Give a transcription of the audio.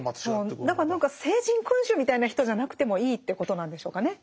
何か聖人君子みたいな人じゃなくてもいいっていうことなんでしょうかね。